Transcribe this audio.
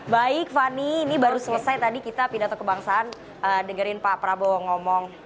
baik fani ini baru selesai tadi kita pidato kebangsaan dengerin pak prabowo ngomong